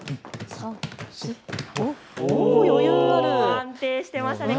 安定していますね。